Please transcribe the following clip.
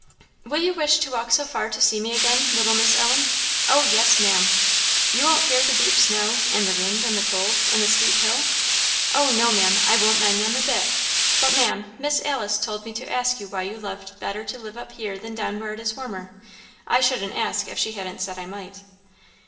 "Will you wish to walk so far to see me again, little Miss Ellen?" "Oh yes, Maam!" "You won't fear the deep snow, and the wind and cold, and the steep hill?" "Oh no, Maam, I won't mind them a bit; but, Maam, Miss Alice told me to ask you why you loved better to live up here than down where it is warmer. I shouldn't ask if she hadn't said I might."